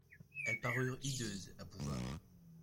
Elles parurent hideuses à Bouvard.